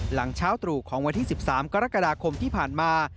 หลังเช้าตรู่ของวันที่๑๓กรกฎาคมที่ผ่านมา